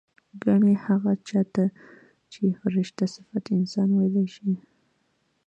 ګنې هغه چا ته چې فرشته صفت انسان وييلی شي